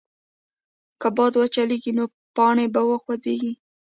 که باد وچلېږي، نو پاڼې به وخوځېږي.